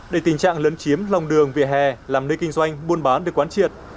đầy tình trạng lấn chiếm lòng đường về hè làm nơi kinh doanh buôn bán được quán triệt